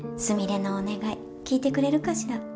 すみれのお願い聞いてくれるかしら？